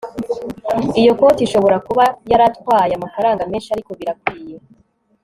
iyo koti ishobora kuba yaratwaye amafaranga menshi, ariko birakwiye